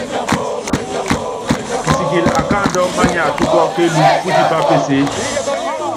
Kisikili akáandú manyátúkú kéelúku, pútipá peseé.